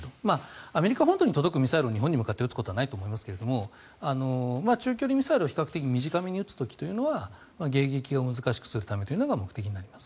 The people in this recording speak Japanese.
アメリカ本土に届くミサイルを日本に向かって撃つことはないと思いますが中距離ミサイルを比較的短めに撃つ時は迎撃を難しくするのが目的になります。